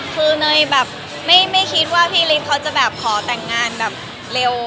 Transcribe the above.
คือเนยแบบไม่คิดว่าพี่ฤทธิ์เขาจะแบบขอแต่งงานแบบเร็ว